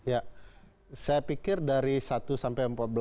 ya saya pikir dari satu sampai empat belas